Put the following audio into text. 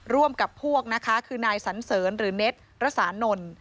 ร่วมกับพวกนะคะคือนายสันเสริญหรือเน็ตรสานนท์